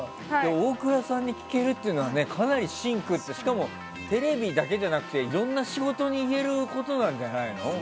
オークラさんに聞けるってかなり芯を食ってしかもテレビだけじゃなくていろんな仕事に言えることなんじゃないの。